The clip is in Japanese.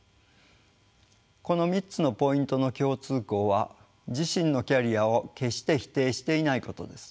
この３つのポイントの共通項は自身のキャリアを決して否定していないことです。